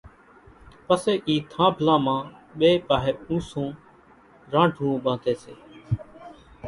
پسي اِي ٿانڀلان مان ٻئي پاۿي اُونسون رانڍوئون ٻانڌي سي